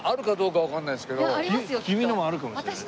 君のもあるかもしれない。